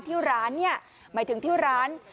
ที่ร้านเนี่ยหมายถึงที่ร้าน